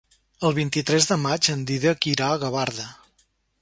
El vint-i-tres de maig en Dídac irà a Gavarda.